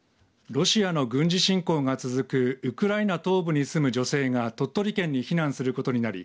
ロシアの軍事侵攻が続くウクライナから東部に住む女性が鳥取県に避難することになり